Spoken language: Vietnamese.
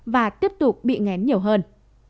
và tiếp tục bị ngén nhiều hơn